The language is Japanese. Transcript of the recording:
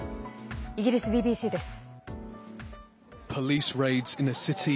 イギリスＢＢＣです。